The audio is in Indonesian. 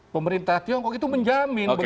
pemerintah tiongkok itu menjamin